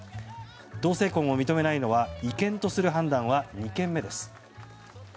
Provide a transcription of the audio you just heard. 同性婚を認めないのは違憲とする判断は２件目です。